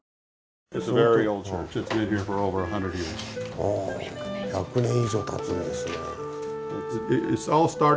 あ１００年以上たつんですね。